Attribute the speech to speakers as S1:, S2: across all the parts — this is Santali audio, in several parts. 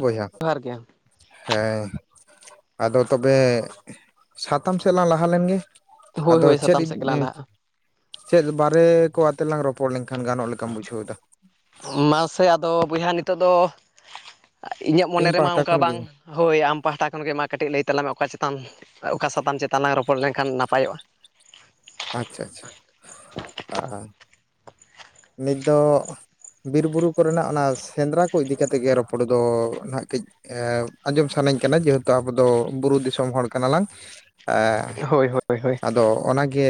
S1: ᱵᱚᱭᱦᱟ
S2: ᱡᱚᱦᱟᱨ ᱜᱮ
S1: ᱦᱮᱸ᱾ ᱟᱫᱚ ᱛᱚᱵᱮ ᱥᱟᱛᱟᱢ ᱥᱮᱫ ᱞᱟᱝ ᱞᱟᱦᱟ ᱞᱮᱱ ᱜᱮ
S2: ᱦᱳᱭ
S1: ᱟᱫᱚ
S2: ᱦᱳᱭ
S1: ᱪᱮᱫ
S2: ᱥᱟᱛᱟᱢ
S1: ᱤᱫᱤ
S2: ᱥᱮᱫ ᱜᱮᱞᱟᱝ ᱞᱟᱦᱟᱜᱼᱟ
S1: ᱪᱮᱫ ᱵᱟᱨᱮ ᱠᱚ ᱟᱛᱮ ᱞᱟᱝ ᱨᱚᱯᱚᱲ ᱞᱮᱱᱠᱷᱟᱱ ᱜᱟᱱᱚᱜ ᱞᱮᱠᱟᱢ ᱵᱩᱡᱷᱟᱹᱣ ᱮᱫᱟ᱾
S2: ᱢᱟᱥᱮ ᱟᱫᱚ ᱵᱩᱭᱦᱟ ᱱᱤᱛᱚᱜ ᱫᱚ ᱤᱧᱟᱹᱜ ᱢᱚᱱᱮ
S1: ᱤᱧ
S2: ᱨᱮᱢᱟ
S1: ᱯᱟᱦᱴᱟ
S2: ᱚᱝᱠᱟ
S1: ᱠᱷᱚᱱ
S2: ᱵᱟᱝ
S1: ᱜᱤᱧ
S2: ᱦᱳᱭ ᱟᱢ ᱯᱟᱦᱴᱟ ᱠᱷᱚᱱ ᱜᱮ ᱢᱟ ᱠᱟᱹᱴᱤᱡ ᱞᱟᱹᱭ ᱛᱟᱞᱟᱝ ᱢᱮ ᱚᱠᱟ ᱪᱮᱛᱟᱱ ᱚᱠᱟ ᱥᱟᱛᱟᱢ ᱪᱮᱛᱟᱱ ᱞᱟᱝ ᱨᱚᱯᱚᱲ ᱞᱮᱱᱠᱷᱟᱱ ᱱᱟᱯᱟᱭᱚᱜᱼᱟ᱾
S1: ᱟᱪᱪᱷᱟ ᱟᱪᱪᱷᱟ ᱟ, ᱱᱤᱛ ᱫᱚ᱾ ᱵᱤᱨ ᱵᱩᱨᱩ ᱠᱚᱨᱮᱱᱟᱜ ᱚᱱᱟ ᱥᱮᱸᱱᱫᱽᱨᱟ ᱠᱚ ᱤᱫᱤ ᱠᱮᱛᱮᱜ ᱜᱮ ᱨᱚᱯᱚᱲ ᱫᱚ ᱱᱟᱦᱟᱜ ᱠᱟᱹᱡ᱾ ᱮᱸᱜ, ᱟᱸᱡᱚᱢ ᱥᱟᱱᱟᱧ ᱠᱟᱱᱟ ᱡᱮᱦᱮᱛᱩ ᱟᱵᱚ ᱫᱚ ᱵᱩᱨᱩ ᱫᱤᱥᱚᱢ ᱦᱚᱲ ᱠᱟᱱᱟ ᱞᱟᱝ᱾ ᱟᱻ
S2: ᱦᱳᱭ ᱦᱳᱭ ᱦᱳᱭ
S1: ᱟᱫᱚ ᱚᱱᱟ ᱜᱮ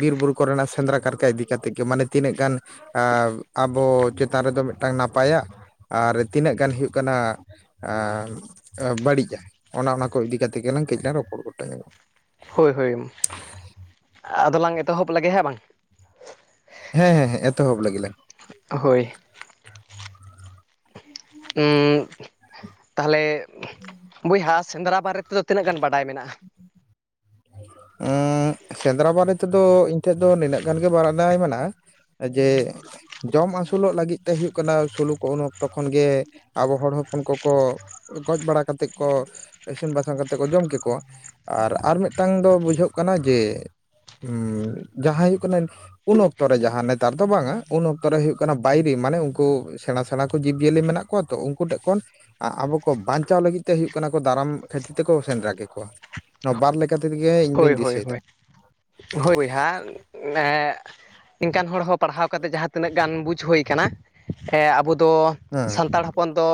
S1: ᱵᱤᱨ ᱵᱩᱨᱩ ᱠᱚᱨᱮᱱᱟᱜ ᱥᱮᱸᱫᱽᱨᱟ ᱠᱟᱨᱠᱟ ᱤᱫᱤ ᱠᱟᱛᱮᱜ ᱜᱮ ᱢᱟᱱᱮ ᱛᱤᱱᱟᱹᱜ ᱜᱟᱱ ᱟᱵᱚ ᱪᱮᱛᱟᱱ ᱨᱮᱫᱚ ᱢᱤᱫᱴᱟᱱ ᱱᱟᱯᱟᱭᱟ ᱟᱨ ᱛᱤᱱᱟᱹᱜ ᱜᱟᱱ ᱦᱩᱭᱩᱜ ᱠᱟᱱᱟ ᱵᱟᱹᱲᱤᱡᱟᱭ ᱚᱱᱟ ᱚᱱᱟ ᱠᱚ ᱤᱫᱤ ᱠᱟᱛᱮ ᱜᱮᱞᱟᱝ ᱠᱟᱹᱡ ᱞᱟᱝ ᱨᱚᱯᱚᱲ ᱜᱚᱴᱟ ᱧᱚᱜᱼᱟ
S2: ᱦᱳᱭ ᱦᱳᱭ ᱟᱫᱚᱞᱟᱝ ᱮᱛᱚᱦᱚᱵ ᱞᱮᱜᱮ ᱦᱮᱸ ᱵᱟᱝ
S1: ᱦᱮᱸ ᱦᱮᱸ ᱦᱮᱸ ᱮᱛᱚᱦᱚᱵ ᱞᱟᱹᱜᱤᱫ
S2: ᱦᱳᱭ ᱛᱟᱦᱚᱞᱮ ᱵᱚᱭᱦᱟ ᱥᱮᱸᱫᱽᱨᱟ ᱵᱟᱨᱮ ᱛᱮᱫᱚ ᱛᱤᱱᱟᱹᱜ ᱜᱟᱱ ᱵᱟᱰᱟᱭ ᱢᱮᱱᱟᱜᱼᱟ
S1: ᱥᱮᱸᱫᱽᱨᱟ ᱵᱟᱨᱮ ᱛᱮᱫᱚ ᱤᱧ ᱴᱷᱮᱡ ᱫᱚ ᱱᱤᱱᱟᱹᱜ ᱜᱟᱱ ᱜᱮᱮ ᱵᱟᱟᱨᱫᱟᱭ ᱢᱮᱱᱟᱜᱼᱟ ᱡᱮ ᱡᱚᱢ ᱟᱹᱥᱩᱞᱚᱜ ᱞᱟᱹᱜᱤᱫ ᱛᱮ ᱦᱩᱭᱩᱜ ᱠᱟᱱᱟ ᱥᱩᱞᱩ ᱠᱚ ᱩᱱ ᱚᱠᱛᱚ ᱠᱷᱚᱱᱜᱮ ᱟᱵᱚ ᱦᱚᱲ ᱦᱚᱯᱚᱱ ᱠᱚᱠᱚ ᱜᱚᱡ ᱵᱟᱲᱟ ᱠᱟᱛᱮᱫ ᱠᱚ ᱤᱥᱤᱱ ᱵᱟᱥᱟᱝ ᱞᱟᱭᱮᱫᱟ ᱠᱚ ᱡᱚᱢ ᱠᱮᱠᱚᱣᱟ ᱟᱨ ᱟᱨ ᱢᱤᱫᱤᱫᱴᱮᱱ ᱢᱤᱫᱴᱟᱝ ᱫᱚ ᱵᱩᱡᱷᱟᱹᱜ ᱠᱟᱱᱟ ᱡᱮ ᱡᱟᱦᱟᱸ ᱦᱩᱭᱩᱜ ᱠᱟᱱᱟ ᱩᱱ ᱚᱠᱛᱚᱨᱮ ᱡᱟᱦᱟᱸ ᱱᱮᱛᱟᱨ ᱫᱚ ᱵᱟᱝᱟ ᱩᱱ ᱚᱠᱛᱚᱨᱮ ᱦᱩᱭᱩᱜᱜ ᱠᱟᱱᱟ ᱵᱟᱭᱨᱮ ᱢᱟᱱᱮ ᱩᱱᱠᱩ ᱥᱮᱬᱟ ᱥᱮᱬᱟ ᱠᱚ ᱡᱤᱵᱽ ᱡᱤᱭᱟᱹᱞᱤ ᱢᱮᱱᱟᱜ ᱠᱚᱣᱟ ᱛᱚ ᱩᱱᱠᱩ ᱴᱷᱮᱱ ᱠᱷᱚᱱ ᱟᱵᱚ ᱠᱚ ᱵᱟᱧᱪᱟᱣ ᱞᱟᱹᱜᱤᱫ ᱛᱮ ᱦᱩᱭᱩᱜ ᱠᱟᱱᱟ ᱠᱚ ᱫᱟᱨᱟᱢ ᱠᱷᱟᱹᱛᱤᱨ ᱛᱮᱠᱚ ᱥᱮᱸᱫᱽᱨᱟ ᱠᱮᱠᱚᱣᱟ ᱱᱚᱣᱟ ᱵᱟᱨ ᱞᱮᱠᱟ ᱠᱟᱛᱤᱨ ᱜᱮᱭᱟᱧ
S2: ᱦᱳᱭ ᱦᱳᱭ ᱦᱳᱭ ᱦᱳᱭ ᱵᱚᱭᱦᱟ ᱮ ᱱᱮᱠᱟᱱ ᱦᱚᱲ ᱦᱚᱸ ᱯᱟᱲᱦᱟᱣ ᱠᱟᱛᱮ ᱡᱟᱦᱟᱸ ᱛᱤᱱᱟᱹᱜ ᱜᱟᱱ ᱵᱩᱡᱽ ᱦᱩᱭ ᱠᱟᱱᱟ ᱮ ᱟᱵᱚ ᱫᱚ
S1: ᱦᱮᱸ
S2: ᱥᱟᱱᱛᱟᱲ ᱦᱚᱯ ᱦᱚᱯᱚᱱ ᱫᱚ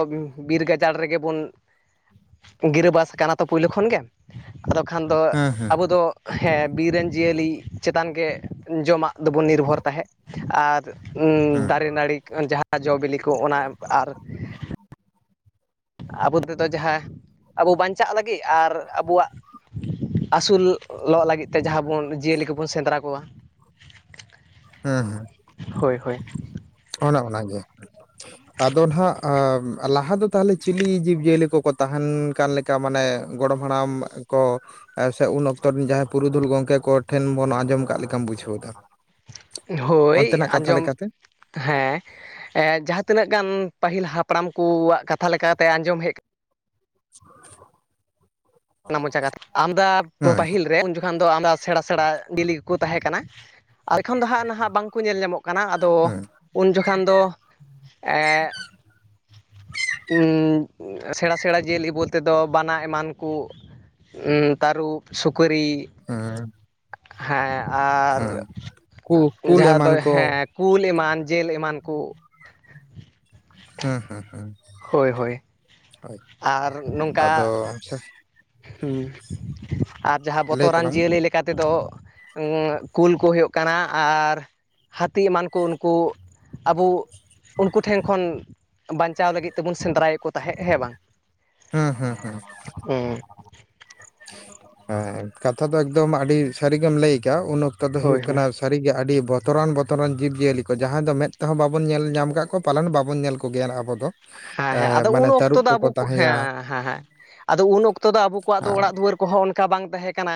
S2: ᱵᱤᱨ ᱜᱟᱡᱟᱲ ᱨᱮᱜᱮ ᱵᱚᱱ ᱜᱤᱨᱟᱹᱵᱟᱥ ᱠᱟᱱᱟ ᱛᱚ ᱯᱳᱭᱞᱳ ᱠᱷᱚᱱ ᱜᱮ ᱟᱫᱚ ᱠᱷᱟᱱ ᱫᱚ
S1: ᱦᱮᱸ ᱦᱮᱸ
S2: ᱟᱵᱚᱫ ᱫᱚ ᱦᱮᱸ ᱵᱤᱨ ᱨᱮᱱ ᱡᱤᱭᱟᱹᱞᱤ ᱪᱮᱛᱟᱱᱜ ᱡᱚᱢᱟᱜ ᱫᱚᱵᱚᱱ ᱱᱤᱨᱵᱷᱚᱨ ᱛᱟᱦᱮᱸᱫ ᱟᱨ
S1: ᱦᱮᱸ
S2: ᱫᱟᱨᱮ ᱱᱟᱹᱲᱤ ᱡᱟᱦᱟᱸ ᱡᱚ ᱵᱤᱞᱤ ᱠᱚ ᱚᱱᱟ ᱟᱨ ᱟᱵᱚ ᱛᱮᱫᱚ ᱡᱟᱦᱟᱸ ᱟᱵᱚ ᱵᱟᱧᱪᱟᱜ ᱞᱟᱹᱜᱤᱫ ᱟᱨ ᱟᱵᱚᱣᱟᱜ ᱟᱹᱥᱩᱞᱚᱜ ᱞᱟᱹᱜᱤᱫ ᱛᱮ ᱡᱟᱦᱟᱸ ᱵᱚᱱ ᱡᱤᱭᱟᱹᱞᱤ ᱠᱚᱵᱚᱱ ᱥᱮᱸᱫᱽᱨᱟ ᱠᱚᱣᱟ
S1: ᱦᱮᱸ ᱦᱮᱸ
S2: ᱦᱳᱭ ᱦᱳᱭ
S1: ᱜᱚᱱᱮ ᱚᱱᱟᱜᱮ ᱟᱫᱚ ᱦᱟᱸᱱᱟᱜ ᱞᱟᱦᱟ ᱫᱚ ᱛᱟᱦᱚᱞᱮ ᱪᱤᱞᱤ ᱡᱤᱵᱽᱼᱡᱤᱭᱟᱹᱞᱤ ᱠᱚᱠᱚ ᱛᱟᱦᱮᱱ ᱠᱟᱱ ᱞᱮᱠᱟ ᱠᱟ ᱢᱟᱱᱮ ᱜᱚᱲᱚᱢ ᱦᱟᱲᱟᱢ ᱠᱚ ᱟᱨ ᱥᱮ ᱩᱱ ᱚᱠᱛᱚ ᱨᱮᱱ ᱡᱟᱦᱟᱸᱭ ᱯᱩᱨᱩᱫᱷᱩᱞ ᱜᱚᱝᱠᱮ ᱠᱚ ᱴᱷᱮᱱ ᱵᱚᱱ ᱟᱸᱡᱚᱢ ᱠᱟᱜ ᱞᱮᱠᱟᱢ ᱵᱩᱡᱷᱟᱹᱣ ᱮᱫᱟ
S2: ᱦᱳᱭ
S1: ᱚᱱᱛᱮᱱᱟᱜ ᱠᱟᱛᱷᱟ
S2: ᱟᱸᱡᱚᱢ
S1: ᱞᱮᱠᱟᱛᱮ
S2: ᱦᱮᱸ ᱡᱟᱦᱟᱸ ᱛᱤᱱᱟᱹᱜ ᱜᱟᱱ ᱯᱟᱹᱦᱤᱞ ᱦᱟᱯᱲᱟᱢ ᱠᱚᱣᱟᱜ ᱠᱟᱛᱷᱟ ᱞᱮᱠᱟᱛᱮ ᱟᱸᱡᱚᱢ ᱦᱮᱡ
S1: [inaudible]
S2: ᱢᱚᱪᱟ ᱠᱟᱛᱷᱟ ᱟᱢᱫᱟ [unintelligible]
S1: ᱦᱮᱸ
S2: ᱯᱟᱹᱦᱤᱞ ᱨᱮ ᱡᱚ [unintelligible] ᱫᱚ ᱥᱮᱬᱟ ᱥᱮᱬᱟ ᱰᱮᱞᱤ ᱜᱮᱠᱚ ᱛᱟᱦᱮᱸ ᱠᱟᱱᱟ ᱟᱨ ᱮᱠᱷᱚᱱ ᱫᱚ ᱦᱟᱸᱜ ᱱᱟᱦᱟᱜ ᱵᱟᱝᱠᱚ ᱧᱮᱞ ᱧᱟᱢᱚᱜ ᱠᱟᱱ ᱠᱟᱱᱟ ᱟᱫᱚ
S1: ᱦᱮᱸ
S2: ᱩᱱ ᱡᱚᱠᱷᱟᱱ ᱫᱚ ᱮ ᱥᱮᱬᱟ ᱥᱮᱬᱟ ᱡᱤᱞ ᱤᱵ ᱛᱮᱫᱚ ᱵᱟᱱᱟ ᱮᱢᱟᱱ ᱠᱚ ᱩᱱᱠᱩ ᱛᱟᱹᱨᱩᱵ ᱥᱩᱠᱨᱤ
S1: ᱦᱮᱸ
S2: ᱦᱮᱸ ᱟᱨ
S1: ᱦᱮᱸ ᱠᱩ ᱠᱩᱞ
S2: ᱡᱟᱦᱟᱸ ᱫᱚ
S1: ᱮᱢᱟᱱ ᱠᱚ
S2: ᱦᱮᱸ ᱠᱩᱞ ᱮᱢᱟᱱ ᱡᱤᱞ ᱮᱢᱟᱱ ᱠᱚ
S1: ᱦᱮᱸ ᱦᱮᱸ ᱦᱮᱸ
S2: ᱦᱳᱭ ᱦᱳᱭ ᱟᱨ ᱱᱚᱝᱠᱟ
S1: ᱟᱪᱪᱷᱟ
S2: ᱦᱮᱸ ᱟᱨ ᱡᱟᱦᱟᱸᱱ
S1: ᱞᱟᱹᱭ
S2: ᱵᱚᱛᱚᱨᱟᱱ
S1: ᱛᱟᱞᱟᱝ ᱢᱮ
S2: ᱡᱤᱭᱟᱹᱞᱤ ᱞᱮᱠᱟ ᱞᱮᱠᱟ ᱛᱮᱫᱚ ᱮᱫ ᱠᱩᱞ ᱠᱚ ᱦᱩᱭᱩᱜ ᱠᱟᱱᱟ ᱟᱨ ᱦᱟᱹᱛᱤ ᱮᱢᱟᱱ ᱠᱚ ᱱᱩᱠᱩ ᱟᱵᱚ- ᱩᱱᱠᱩ ᱴᱷᱮᱱ ᱠᱷᱚᱱ ᱵᱟᱧᱪᱟᱣ ᱞᱟᱹᱜᱤᱫ ᱛᱮᱵᱚᱱ ᱥᱮᱸᱫᱽᱨᱟᱭᱮᱫ ᱠᱚ ᱛᱟᱦᱮᱸᱫ ᱦᱮᱸ ᱵᱟᱝ
S1: ᱦᱮᱸ ᱦᱮᱸ ᱦᱮᱸ [inaudible]
S2: ᱦᱩᱸ
S1: ᱦᱮᱸ ᱠᱟᱛᱷᱟ ᱫᱚ ᱮᱠᱫᱚᱢ ᱟᱹᱰᱤ ᱥᱟᱹᱨᱤ ᱜᱮᱢ ᱞᱟᱹᱭ ᱠᱟᱜᱼᱟ ᱩᱱ ᱚᱠᱛᱚ ᱫᱚ
S2: ᱦᱳᱭ
S1: ᱦᱩᱭᱩᱜ
S2: ᱦᱳᱭ
S1: ᱠᱟᱱᱟ ᱥᱟᱹᱨᱤᱜᱮ ᱟᱹᱰᱤ ᱵᱚᱛᱚᱨᱟᱱ ᱵᱚᱛᱚᱨᱟᱱ ᱡᱤᱵᱽ ᱡᱤᱭᱟᱹᱞᱤ ᱠᱚ ᱡᱟᱦᱟᱸᱭ ᱫᱚ ᱢᱮᱫ ᱛᱮᱦᱚᱸ ᱵᱟᱵᱚᱱ ᱧᱮᱞ ᱧᱟᱢ ᱟᱠᱟᱫ ᱠᱚ ᱯᱟᱞᱚᱱ ᱵᱟᱵᱚᱱ ᱧᱮᱞ ᱠᱚᱜᱮᱭᱟ ᱟᱵᱚ ᱫᱚ
S2: ᱦᱮᱸ ᱦᱮᱸ ᱟᱫᱚ ᱩᱱ
S1: ᱢᱟᱱᱮ
S2: ᱚᱠᱛᱚ
S1: ᱛᱟᱹᱨᱩᱵ
S2: ᱫᱚ
S1: ᱠᱚᱠᱚ
S2: ᱟᱵᱚ
S1: ᱛᱟᱦᱮᱸᱭᱟ
S2: ᱦᱮᱸ ᱦᱮᱸ ᱦᱮᱸ ᱟᱫᱚ ᱩᱱ ᱚᱠᱛᱚ ᱫᱚ ᱟᱵᱚᱣᱟᱜ ᱫᱚ ᱚᱲᱟᱜ ᱫᱩᱣᱟᱹᱨ ᱩᱣᱟᱹᱨ ᱠᱚᱦᱚᱸ ᱚᱱᱠᱟ ᱵᱟᱝ ᱛᱟᱦᱮᱸ ᱠᱟᱱᱟ᱾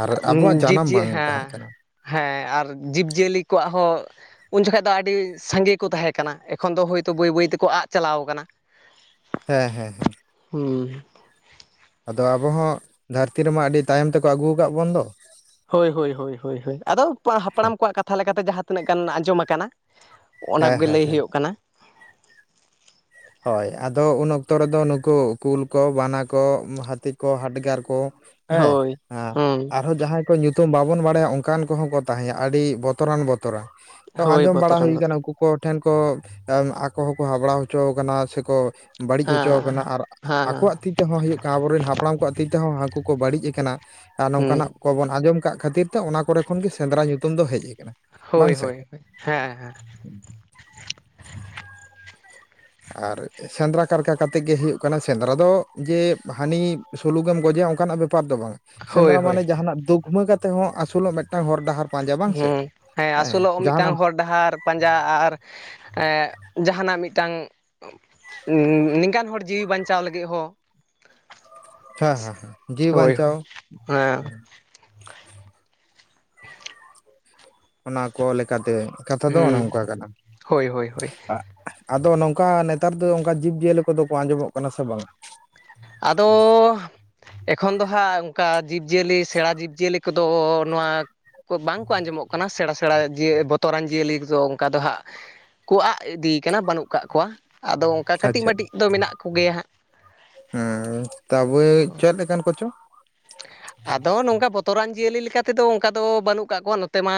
S1: ᱟᱨ ᱟᱵᱚᱣᱟᱜ ᱡᱟᱱᱟᱢ ᱵᱟᱝ
S2: ᱡᱤᱵᱽᱼᱡᱤᱭᱟᱹᱞᱤ ᱦᱮᱸ
S1: ᱛᱟᱦᱮᱸ ᱠᱟᱱᱟ
S2: ᱦᱮᱸ ᱟᱨ ᱡᱤᱵᱽᱼᱡᱤᱭᱟᱹᱞᱤ ᱠᱚᱣᱟᱜ ᱦᱚᱸ ᱩᱱ ᱡᱚᱠᱷᱟᱡ ᱫᱚ ᱟᱹᱰᱤ ᱥᱟᱸᱜᱮ ᱠᱚ ᱛᱟᱦᱮᱸ ᱠᱟᱱᱟ᱾ ᱮᱠᱷᱚᱱ ᱫᱚ ᱦᱳᱭ ᱛᱚ ᱵᱟᱹᱭ ᱵᱟᱹᱭ ᱛᱮᱠᱚ ᱟᱫ ᱪᱟᱞᱟᱣ ᱠᱟᱱᱟ᱾
S1: ᱦᱮᱸ ᱦᱮᱸ ᱦᱮᱸ
S2: ᱦᱩᱸ᱾
S1: ᱟᱫᱚ ᱟᱵᱚ ᱦᱚᱸ ᱫᱷᱟᱹᱨᱛᱤ ᱨᱮᱢᱟ ᱟᱹᱰᱤ ᱛᱟᱭᱚᱢ ᱛᱮᱠᱚ ᱟᱹᱜᱩ ᱟᱠᱟᱫ ᱵᱚᱱ ᱫᱚ ᱾
S2: ᱦᱳᱭ ᱦᱳᱭ ᱦᱳᱭ ᱦᱳᱭ ᱦᱳᱭ᱾ ᱟᱫᱚ ᱯᱟ ᱦᱟᱯᱲᱟᱢ ᱠᱚᱣᱟᱜ ᱠᱟᱛᱷᱟ ᱞᱮᱠᱟᱛᱮ ᱡᱟᱦᱟᱸ ᱛᱤᱱᱟᱹᱜ ᱜᱟᱱ ᱟᱸᱡᱚᱢ ᱟᱠᱟᱱᱟ᱾ ᱚᱱᱟ
S1: ᱦᱮᱸ
S2: ᱠᱚᱜᱮ
S1: ᱦᱮᱸ
S2: ᱞᱟᱹᱭ
S1: ᱦᱮᱸ
S2: ᱦᱩᱭᱩᱜ ᱠᱟᱱᱟ᱾
S1: ᱦᱳᱭ ᱟᱫᱚ ᱩᱱ ᱚᱠᱛᱚ ᱨᱮᱫᱚ ᱱᱩᱠᱩ ᱠᱩᱞ ᱠᱚ ᱵᱟᱱᱟ ᱠᱚ ᱦᱟᱹᱛᱤ ᱠᱚ ᱦᱟᱴᱜᱟᱨ ᱠᱚ ᱦᱮᱸ,
S2: ᱦᱳᱭ
S1: ᱦᱟᱸ,
S2: ᱦᱩᱸ
S1: ᱟ ᱟ ᱡᱟᱦᱟᱸᱭ ᱠᱚ ᱧᱩᱛᱩᱢ ᱵᱟᱵᱚᱱ ᱵᱟᱰᱟᱭᱟ ᱚᱱᱠᱟᱱ ᱠᱚᱦᱚᱸ ᱠᱚ ᱛᱟᱦᱮᱸᱭᱟ ᱟᱹᱰᱤ ᱵᱚᱛᱚᱨᱟᱱ ᱵᱚᱛᱚᱨᱟᱱ᱾ ᱛᱚ
S2: ᱦᱳᱭ
S1: ᱟᱸᱡᱚᱢ ᱵᱟᱲᱟ
S2: ᱵᱚᱛᱚᱨᱟᱱ
S1: ᱦᱩᱭ
S2: ᱵᱚᱛᱚᱨ
S1: ᱟᱠᱟᱱᱟ, ᱩᱱᱠᱩ ᱠᱚ ᱴᱷᱮᱱ ᱠᱚ ᱟᱠᱚ ᱦᱚᱸᱠᱚ ᱦᱯᱲᱟ ᱦᱚᱪᱚ ᱠᱟᱱᱟ ᱥᱮᱠᱚ ᱵᱟᱹᱲᱤᱡ ᱦᱚᱪᱚᱣᱟ
S2: ᱦᱮᱸ
S1: ᱟᱠᱟᱱᱟ ᱟᱨ
S2: ᱦᱮᱸ
S1: ᱟᱠᱚᱣᱟᱜ ᱛᱤ ᱛᱮᱦᱚᱸ ᱦᱩᱭᱩᱜ ᱠᱟᱱᱟ᱾ ᱟᱵᱚᱨᱮᱱ ᱦᱟᱯᱲᱟᱢ ᱠᱚᱣᱟᱜ ᱛᱤ ᱛᱮᱦᱚᱸ ᱦᱟᱹᱠᱩ ᱠᱚ ᱵᱟᱹᱲᱤᱡ ᱟᱠᱟᱱᱟ ᱟᱨ
S2: ᱦᱩᱸ
S1: ᱱᱚᱝᱠᱟᱱᱟᱜ ᱠᱚᱵᱚᱱ ᱟᱸᱡᱚᱢ ᱠᱟᱜ ᱠᱷᱟᱹᱛᱤᱨ ᱛᱚ ᱚᱱᱟ ᱠᱚᱨᱮ ᱠᱷᱚᱱ ᱜᱮ ᱥᱮᱸᱫᱽᱨᱟ ᱧᱩᱛᱩᱢ ᱫᱚ ᱦᱮᱡ ᱟᱠᱟᱱᱟ᱾ ᱵᱟᱝ
S2: ᱦᱳᱭ
S1: ᱥᱮ
S2: ᱦᱳᱭ᱾ ᱦᱮᱸ ᱦᱮᱸ᱾
S1: ᱟᱨ ᱥᱮᱸᱫᱽᱨᱟ ᱠᱟᱨᱠᱟ ᱠᱟᱛᱮᱫ ᱜᱮ ᱦᱩᱭᱩᱜ ᱠᱟᱱᱟ ᱥᱮᱸᱫᱽᱨᱟ ᱫᱚ ᱡᱮ ᱦᱟᱹᱱᱤ ᱥᱩᱞᱩᱠᱮᱢ ᱜᱚᱡᱮ ᱚᱱᱠᱟᱱᱟᱜ ᱵᱮᱯᱟᱨ ᱫᱚ ᱵᱟᱝ
S2: ᱦᱳᱭ
S1: ᱥᱮᱸᱫᱽᱨᱟ
S2: ᱦᱳᱭ
S1: ᱢᱟᱱᱮ ᱡᱟᱦᱱᱟᱜ ᱫᱩᱠᱷᱢᱟᱹ ᱠᱟᱛᱮ ᱦᱚᱸ ᱟᱥᱩᱞᱚᱜ ᱢᱤᱫᱴᱟᱝ ᱦᱚᱨ ᱰᱟᱦᱟᱨ᱾ ᱯᱟᱸᱡᱟ ᱵᱟᱝ ᱥᱮ
S2: ᱦᱮᱸ ᱦᱮᱸ ᱟᱥᱩᱞᱚᱜ ᱢᱤᱫᱴᱟᱝ ᱦᱚᱲ ᱰᱟᱦᱟᱨ ᱯᱟᱸᱡᱟ ᱟᱨ ᱡᱟᱦᱟᱱᱟᱜ ᱢᱤᱫᱴᱟᱝ ᱩᱸᱻ ᱱᱤᱝᱠᱟᱱ ᱦᱚᱲ ᱡᱤᱣᱤ ᱵᱟᱧᱪᱟᱣ ᱞᱟᱹᱜᱤᱫ ᱦᱚᱸ
S1: ᱦᱟᱸ ᱦᱟᱸ ᱡᱤᱣᱤ
S2: ᱦᱳᱭ ᱦᱳᱭ
S1: ᱵᱟᱧᱪᱟᱣ᱾
S2: ᱦᱮᱸ
S1: ᱚᱱᱟ ᱠᱚ ᱞᱮᱠᱟᱛᱮ ᱠᱟᱛᱷᱟ ᱫᱚ
S2: ᱦᱩᱸ
S1: ᱚᱱᱮ ᱚᱱᱠᱟ ᱠᱟᱱᱟ᱾
S2: ᱦᱳᱭ ᱦᱳᱭ ᱦᱳᱭ
S1: [unintelligible] ᱟᱫᱚ ᱱᱚᱝᱠᱟ ᱱᱮᱛᱟᱨ ᱫᱚ ᱚᱱᱠᱟ ᱡᱤᱵᱽ ᱡᱤᱭᱟᱹᱞᱤ ᱠᱚᱫᱚ ᱠᱚ ᱟᱸᱡᱚᱢᱚᱜ ᱠᱟᱱᱟ ᱥᱮ ᱵᱟᱝᱟ?
S2: ᱟᱫᱚ ᱮᱠᱷᱚᱱ ᱫᱚ ᱦᱟᱸᱜ ᱚᱱᱠᱟ ᱡᱤᱵᱽᱡᱤᱭᱟᱹᱞᱤ ᱥᱮᱬᱟ ᱡᱤᱵᱽᱡᱤᱭᱟᱹᱞᱤ [unintelligible] ᱫᱚ ᱱᱚᱣᱟ ᱠᱚ ᱵᱟᱝ ᱠᱚ ᱟᱸᱡᱚᱢᱚᱜ ᱠᱟᱱᱟ᱾ ᱥᱮᱬᱟ ᱥᱮᱬᱟ ᱡᱤᱭᱟᱹ ᱵᱚᱛᱚᱨᱟᱱ ᱡᱤᱭᱟᱹᱞᱤ ᱠᱚ ᱚᱱᱠᱟ ᱫᱚ ᱦᱟᱸᱜ᱾ ᱠᱚ ᱟᱫ ᱤᱫᱤᱭ ᱠᱟᱱᱟ ᱵᱟᱹᱱᱩᱜ ᱠᱟᱜ ᱠᱚᱣᱟ ᱟᱫᱚ ᱚᱱᱠᱟ ᱠᱟᱹᱴᱤᱡ ᱢᱟᱹᱴᱤᱡ ᱫᱚ ᱢᱮᱱᱟᱜ ᱠᱚᱜᱮᱭᱟ ᱦᱟᱸᱜ
S1: ᱟᱸᱻ ᱛᱟᱵᱮ ᱪᱮᱫ ᱞᱮᱠᱟᱱ ᱠᱚᱪᱚ?
S2: ᱟᱫᱚ ᱱᱚᱝᱠᱟ ᱵᱚᱛᱚᱨᱟᱱ ᱡᱤᱭᱟᱹᱞᱤ ᱞᱮᱠᱟ ᱛᱮᱫᱚ ᱚᱱᱠᱟ ᱫᱚ ᱵᱟᱹᱱᱩᱜ ᱠᱟᱜ ᱠᱚᱣᱟ ᱱᱚᱛᱮ ᱢᱟ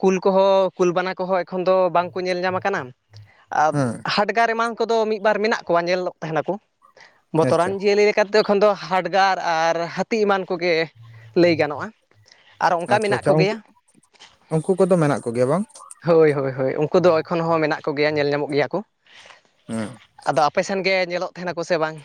S2: ᱠᱩᱞ ᱠᱚᱦᱚᱸ᱾ ᱠᱩᱞ ᱵᱟᱱᱟ ᱠᱚᱦᱚᱸ ᱮᱠᱷᱚᱱ ᱫᱚ ᱵᱟᱝᱠᱚ ᱧᱮᱞ ᱧᱟᱢ ᱟᱠᱟᱱᱟ᱾ ᱟᱨ
S1: ᱦᱮᱸ
S2: ᱦᱟᱰᱜᱟᱨ ᱮᱢᱟᱱ ᱠᱚᱫᱚ ᱢᱤᱫ ᱵᱟᱨ ᱢᱮᱱᱟᱜ ᱠᱚᱣᱟ᱾ ᱧᱮᱞᱚᱜ ᱛᱟᱦᱮᱱᱟᱠᱚ
S1: ᱟᱪᱪᱷᱟ
S2: ᱵᱚᱛᱚᱨᱟᱱ ᱡᱤᱭᱟᱹᱞᱤ ᱪᱟᱹᱛᱮ ᱮᱠᱷᱚᱱ ᱫᱚ ᱦᱟᱰᱜᱟᱨ ᱟᱨ ᱦᱟᱹᱛᱤ ᱮᱢᱟᱱ ᱠᱚᱜᱮ ᱞᱟᱹᱭ ᱜᱟᱱᱚᱜᱼᱟ ᱟᱨ ᱚᱱᱠᱟ
S1: ᱟᱪᱪᱷᱟ
S2: ᱢᱮᱱᱟᱜ
S1: ᱟᱪᱪᱷᱟ ᱩᱱᱠᱩ
S2: ᱠᱚᱜᱮᱭᱟ
S1: ᱩᱱᱠᱩ ᱠᱚᱫᱚ ᱢᱮᱱᱟᱜ ᱠᱚᱜᱮᱭᱟ ᱵᱟᱝ?
S2: ᱦᱳᱭ ᱦᱳᱭ ᱦᱳᱭ᱾ ᱩᱱᱠᱩ ᱫᱚ ᱮᱠᱷᱚᱱ ᱦᱚᱸ ᱢᱮᱱᱟᱜ ᱠᱚᱜᱮᱭᱟ ᱧᱮᱞ ᱧᱟᱢᱚᱜ ᱜᱮᱭᱟ ᱠᱚ᱾
S1: ᱦᱮᱸ
S2: ᱟᱫᱚ ᱟᱯᱮ ᱥᱮᱫ ᱜᱮ ᱧᱮᱞᱚᱜ ᱛᱟᱦᱮᱱᱟᱠᱚ ᱥᱮ ᱵᱟᱝ?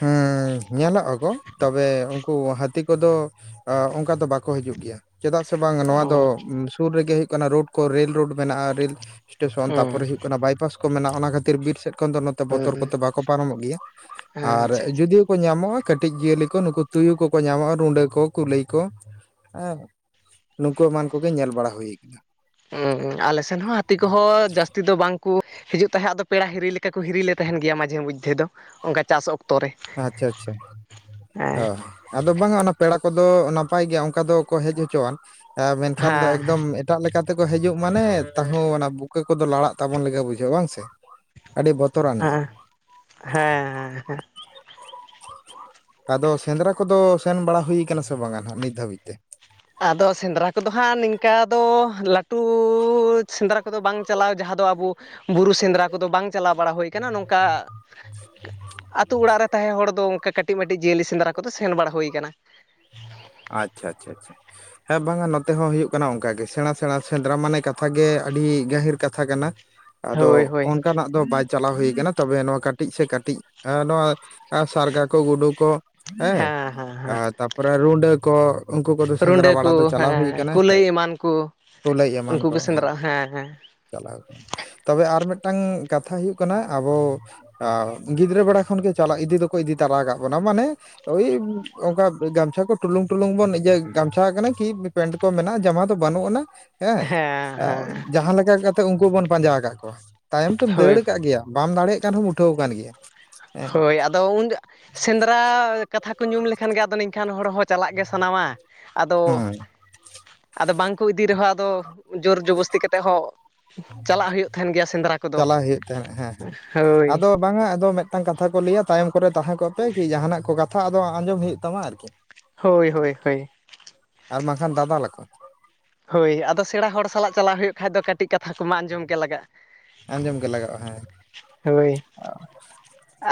S1: ᱦᱩᱸ ᱧᱮᱞᱚᱜ ᱟᱠᱚ᱾ ᱛᱚᱵᱮ ᱩᱱᱠᱩ ᱦᱟᱹᱛᱤ ᱠᱚᱫᱚ ᱚᱱᱠᱟ ᱫᱚ ᱵᱟᱠᱚ ᱦᱤᱡᱩᱜ ᱜᱮᱭᱟ ᱪᱮᱫᱟᱜ ᱥᱮ ᱵᱟᱝ ᱱᱚᱣᱟ
S2: ᱚ
S1: ᱫᱚ ᱥᱩᱨ ᱨᱮᱜᱮ ᱦᱩᱭᱩᱜ ᱠᱟᱱᱟ ᱨᱳᱰ ᱠᱚ ᱨᱤᱞ ᱨᱳᱰ ᱢᱮᱱᱟᱜᱼᱟ ᱨᱤᱞ ᱥᱴᱮᱥᱚᱱ
S2: ᱦᱩᱸ
S1: ᱛᱟᱯᱚᱨᱮ ᱦᱩᱭᱩᱜ ᱠᱟᱱᱟ ᱵᱟᱭᱯᱟᱥ ᱠᱚ ᱢᱮᱱᱟᱜᱼᱟ ᱚᱱᱟ ᱠᱷᱟᱹᱛᱤᱨ ᱵᱤᱨ ᱥᱮᱫ ᱠᱷᱚᱱ ᱫᱚ
S2: ᱦᱩᱸ
S1: ᱵᱚᱛᱚᱨ ᱠᱚᱛᱮ ᱵᱟᱠᱚ ᱯᱟᱨᱚᱢᱚᱜ ᱜᱮᱭᱟ
S2: ᱦᱮᱸ ᱟᱪᱪᱷᱟ
S1: ᱟᱨ
S2: ᱟᱪᱪᱷᱟ
S1: ᱡᱩᱫᱤᱭᱳ ᱠᱚ ᱧᱟᱢᱚᱜᱼᱟ ᱠᱟᱹᱴᱤᱡ ᱡᱤᱭᱟᱹᱞᱤ ᱠᱚ ᱱᱩᱠᱩ ᱛᱩᱭᱩ ᱠᱚᱠᱚ ᱧᱟᱢᱚᱜᱼᱟ ᱨᱩᱸᱰᱟᱹ ᱠᱚ ᱠᱩᱞᱟᱹᱭ ᱠᱚ ᱱᱩᱠᱩ ᱮᱢᱟᱱ ᱠᱚᱜᱮᱧ ᱧᱮᱞ ᱵᱟᱲᱟ ᱦᱩᱭ ᱟᱠᱟᱱᱟ᱾
S2: ᱟᱞᱮ ᱥᱮᱱ ᱦᱚᱸ ᱦᱟᱹᱛᱤ ᱠᱚᱦᱚᱸ ᱡᱟᱹᱥᱛᱤ ᱫᱚ ᱵᱟᱝ ᱠᱚ ᱦᱤᱡᱩᱜ ᱛᱟᱦᱮᱸᱫ ᱟᱫᱚ ᱯᱮᱲᱟ ᱦᱤᱨᱤ ᱞᱮᱠᱟ ᱠᱚ ᱦᱤᱨᱤ ᱞᱮ ᱛᱟᱦᱮᱱ ᱜᱮᱭᱟ ᱢᱟᱡᱷᱮ ᱢᱚᱫᱽᱫᱷᱮ ᱫᱚ ᱚᱱᱠᱟ ᱪᱟᱥ ᱚᱠᱛᱚ ᱨᱮ
S1: ᱟᱪᱪᱷᱟ ᱟᱪᱪᱷᱟ ᱚ
S2: ᱦᱮᱸ
S1: ᱟᱫᱚ ᱵᱟᱝᱟ ᱚᱱᱟ ᱯᱮᱲᱟ ᱠᱚᱫᱚ ᱱᱟᱯᱟᱭ ᱜᱮᱭᱟ ᱚᱱᱠᱟ ᱫᱚᱠᱚ ᱦᱮᱡ ᱦᱚᱪᱚᱣᱟᱱ ᱢᱮᱱᱠᱷᱟᱱ ᱫᱚ
S2: ᱦᱮᱸ
S1: ᱮᱠᱫᱚᱢ ᱮᱴᱟᱜ ᱞᱮᱠᱟᱛᱮᱠᱚ ᱦᱮᱡᱚᱜ ᱢᱟᱱᱮ ᱛᱟᱺᱦᱩᱸ ᱚᱱᱟ ᱵᱩᱠᱟᱹ ᱠᱚᱫᱚ ᱞᱟᱲᱟᱜ ᱛᱟᱵᱚᱱ ᱞᱮᱠᱟ ᱵᱩᱡᱷᱟᱹᱜ ᱵᱟᱝᱥᱮ? ᱟᱹᱰᱤ ᱵᱚᱛ
S2: ᱦᱮᱸ ᱦᱮᱸ ᱦᱮᱸ ᱦᱮᱸ
S1: ᱟᱫᱚ ᱥᱮᱸᱫᱽᱨᱟ ᱠᱚᱫᱚ ᱥᱮᱱ ᱵᱟᱲᱟ ᱦᱩᱭᱠ ᱥᱮ ᱵᱟᱝᱟ ᱱᱟᱜ ᱱᱤᱛ ᱫᱷᱟᱹᱵᱤᱡ ᱛᱮ
S2: ᱟᱫᱚ ᱥᱮᱸᱫᱽᱨᱟ ᱠᱚᱫᱚ ᱦᱟᱸᱜ ᱱᱤᱝᱠᱟ ᱫᱚ ᱞᱟᱹᱴᱩᱻ ᱥᱮᱸᱫᱽᱨᱟ ᱠᱚᱫᱚ ᱵᱟᱝ ᱪᱟᱞᱟᱣ ᱡᱟᱦᱟᱸ ᱫᱚ ᱟᱵᱚ ᱵᱩᱨᱩ ᱥᱮᱸᱫᱽᱨᱟ ᱠᱚᱫᱚ ᱵᱟᱝ ᱪᱟᱞᱟᱣ ᱵᱟᱲᱟ ᱦᱩᱭ ᱠᱟᱱᱟ ᱱᱚᱝᱠᱟ ᱟ ᱟᱹᱛᱩᱳ ᱚᱲᱟᱜ ᱨᱮ ᱛᱟᱦᱮᱸ ᱦᱚᱲ ᱫᱚ ᱚᱱᱠᱟ ᱠᱟᱹᱴᱤᱡ ᱢᱴᱤᱡ ᱡᱤᱭᱟᱹᱞᱤ ᱥᱮᱸᱫᱽᱨᱟ ᱠᱚᱫᱚ ᱥᱮᱱ ᱵᱟᱲᱟ ᱦᱩᱭᱟᱱᱟ
S1: ᱟᱪᱷᱟ ᱪᱷᱟ ᱪᱷᱟ ᱦᱮᱸ ᱵᱟᱝᱟ ᱱᱚᱛᱮ ᱦᱚᱸ ᱦᱩᱭᱩᱜ ᱠᱟᱱᱟ ᱚᱱᱠᱟ ᱜᱮ ᱥᱮᱬᱟ ᱥᱮᱬᱟ ᱥᱮᱸᱫᱽᱨᱟ ᱢᱟᱱᱮ ᱠᱟᱛᱷᱟ ᱜᱮ ᱟᱹᱰᱤ ᱜᱟᱹᱦᱤᱨ ᱠᱟᱛᱷᱟ ᱠᱟᱛᱷᱟ ᱠᱟᱱᱟ ᱟᱫᱚ
S2: ᱦᱳᱭ ᱦᱳᱭ
S1: ᱚᱱᱠᱟ ᱱᱟᱜ ᱫᱚ ᱵᱟᱭ ᱪᱟᱞᱟᱣ ᱦᱩᱭ ᱠᱟᱱᱟ ᱛᱚᱵᱮ ᱱᱚᱣᱟ ᱠᱟᱹᱴᱤᱡ ᱥᱮ ᱠᱟᱹᱴᱤᱡ ᱱᱚᱣᱟ ᱥᱟᱨᱜᱟ ᱠᱚ ᱜᱩᱰᱩ ᱠᱚ ᱦᱮᱸ
S2: ᱦᱮᱸ ᱦᱮᱸ
S1: ᱟᱨ ᱛᱟᱯᱚᱨᱮ ᱨᱩᱸᱰᱟᱹ ᱠᱚ ᱩᱱᱠᱩ ᱠᱚᱫᱚ ᱥᱮᱸᱫᱽᱨᱟ
S2: ᱨᱩᱰᱟᱹ
S1: ᱵᱟᱲᱟ
S2: ᱠᱚ
S1: ᱫᱚ ᱪᱟᱞᱟᱣ ᱦᱩᱭ
S2: ᱦᱮᱸ
S1: ᱠᱟᱱᱟ
S2: ᱠᱩᱞᱟᱹᱭ
S1: ᱦᱮᱸ
S2: ᱮᱢᱟᱱ ᱠᱚ
S1: ᱠᱩᱞᱟᱹᱭ ᱮᱢᱟᱱ
S2: ᱩᱱᱠᱩ
S1: ᱠᱚ
S2: ᱥᱮᱸᱫᱽᱨᱟ ᱦᱮᱸ ᱦᱮᱸ
S1: [inaudible] ᱛᱚᱵᱮ ᱟᱨ ᱢᱤᱫ ᱴᱟᱝ ᱠᱟᱛᱷᱟ ᱦᱩᱭᱩᱜ ᱠᱟᱱᱟ ᱟᱵᱚ ᱟᱻ ᱜᱤᱫᱽᱨᱟᱹ ᱵᱮᱲᱟ ᱠᱷᱚᱱᱜᱮ ᱪᱟᱞᱟᱜ ᱤᱫᱤ ᱫᱚᱠᱚ ᱤᱫᱤ ᱛᱟᱨᱟ ᱟᱠᱟᱫ ᱵᱚᱱᱟ᱾ ᱢᱟᱱᱮ ᱳᱭ ᱚᱱᱠᱟ ᱜᱟᱢᱪᱷᱟ ᱠᱚ ᱴᱩᱞᱩᱝ ᱴᱩᱞᱩᱝ ᱵᱚᱱ ᱤᱭᱟᱹ ᱜᱟᱢᱪᱷᱟ ᱠᱟᱱᱟ ᱠᱤ ᱯᱮᱱᱴ ᱠᱚ ᱢᱮᱱᱟᱜᱼᱟ ᱡᱟᱢᱟ ᱫᱚ ᱵᱟᱹᱱᱩᱜ ᱟᱱᱟ ᱦᱮᱸ ᱡᱟᱦᱟᱸ ᱞᱮᱠᱟ [unintelligible] ᱠᱟᱛᱮ ᱩᱱᱠᱩ ᱵᱚᱱ ᱯᱟᱸᱡᱟ ᱠᱫ ᱠᱚᱣᱟ᱾ ᱛᱟᱭᱚᱢ ᱛᱮᱢ
S2: ᱦᱳᱭ
S1: ᱫᱟᱹᱲ ᱟᱠᱟᱫ ᱜᱮᱭᱟ᱾ ᱵᱟᱢ ᱫᱟᱲᱮᱭᱟᱜ ᱠᱟᱱ ᱦᱚᱸᱚᱢ ᱩᱴᱷᱟᱹᱣ ᱟᱠᱟᱱ ᱜᱮᱭᱟ᱾ ᱦᱮᱸ
S2: ᱦᱳᱭ ᱟᱫᱚ ᱩᱱ ᱥᱮᱸᱫᱽᱨᱟ ᱠᱟᱛᱷᱟ ᱠᱚ ᱧᱩᱢ ᱞᱮᱠᱷᱟᱱ ᱜᱮ ᱟᱫᱚ ᱱᱤᱝᱠᱷᱟᱱ ᱦᱚᱲ ᱦᱚᱸ ᱪᱟᱞᱟᱜ ᱜᱮ ᱥᱟᱱᱟᱣᱟ ᱟᱫᱚ
S1: ᱦᱮᱸ
S2: ᱟᱫᱚ ᱵᱟᱝ ᱠᱚ ᱤᱫᱤ ᱨᱮᱦᱚᱸ ᱟᱫᱚ ᱡᱳᱨ ᱡᱚᱵᱚᱥᱛᱤ ᱠᱟᱛᱮᱫ ᱦᱚᱸ ᱪᱟᱞᱟᱜ ᱦᱩᱭᱩᱜ ᱛᱟᱦᱮᱱ ᱜᱮᱭᱟ ᱥᱮᱸᱫᱽᱨᱟ ᱠᱚᱫᱚ
S1: ᱪᱟᱞᱟᱣ ᱦᱩᱭᱩᱜ ᱛᱟᱦᱮᱸᱫ ᱦᱮᱸ
S2: ᱦᱳᱭ
S1: ᱟᱫᱚ ᱵᱟᱝᱟ ᱟᱫᱚ ᱢᱤᱫ ᱴᱟᱝ ᱠᱟᱛᱷᱟ ᱠᱚ ᱞᱟᱹᱭᱟ ᱛᱟᱭᱚᱢ ᱠᱚᱨᱮ ᱛᱟᱦᱮᱸ ᱠᱚᱜ ᱯᱮ ᱠᱤ ᱡᱟᱦᱟᱱᱟᱜ ᱠᱚ ᱠᱟᱛᱷᱟ ᱟᱫᱚ ᱟᱸᱡᱚᱢ ᱦᱩᱭᱩᱜ ᱛᱟᱢᱟ ᱟᱨᱠᱤ
S2: ᱦᱳᱭ ᱦᱳᱭ ᱦᱳᱭ
S1: ᱟᱨ ᱵᱟᱝᱠᱷᱟᱱ ᱫᱟᱫᱟᱞ ᱞᱟᱠᱚ
S2: ᱦᱳᱭ ᱟᱫᱚ ᱥᱮᱬᱟ ᱦᱚᱲ ᱥᱟᱞᱟᱜ ᱪᱟᱞᱟᱜᱣ ᱦᱩᱭᱩᱜ ᱠᱷᱟᱱᱡ ᱫᱚ ᱠᱟᱹᱴᱤᱡ ᱠᱟᱛᱷᱟ ᱠᱚᱢᱟ ᱟᱸᱡᱚᱢ ᱜᱮ ᱞᱟᱜᱟᱜᱼᱟ
S1: ᱟᱸᱡᱚᱢ ᱜᱮ ᱞᱟᱜᱟᱜᱼᱟ ᱦᱮᱸ
S2: ᱦᱳᱭ